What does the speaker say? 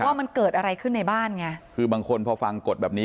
ว่ามันเกิดอะไรขึ้นในบ้านไงคือบางคนพอฟังกฎแบบนี้